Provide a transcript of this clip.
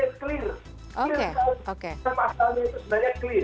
yang stabil dibuat oleh pak kapolri pak jaksa agung dan menko minfo